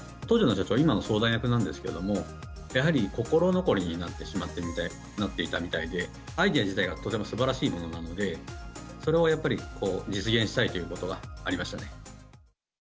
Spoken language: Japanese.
当時の社長は今の相談役なんですけれども、やはり心残りになってしまっていたみたいで、アイデア自体はとてもすばらしいものなので、それをやっぱり、実現したいということがありましたね。